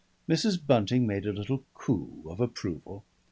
Mrs. Bunting made a little coo of approval.